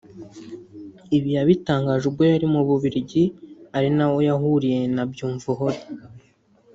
Ibi yabitangaje ubwo yari mu Bubiligi ari naho yahuriye na Byumvuhore